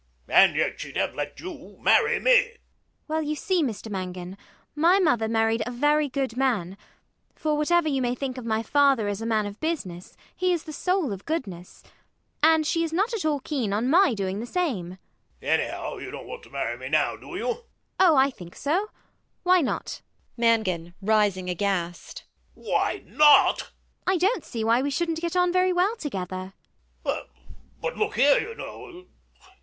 And yet she'd have let you marry me. ELLIE. Well, you see, Mr Mangan, my mother married a very good man for whatever you may think of my father as a man of business, he is the soul of goodness and she is not at all keen on my doing the same. MANGAN. Anyhow, you don't want to marry me now, do you? ELLIE. [very calmly]. Oh, I think so. Why not? MANGAN. [rising aghast]. Why not! ELLIE. I don't see why we shouldn't get on very well together. MANGAN. Well, but look here, you know [he stops, quite at a loss].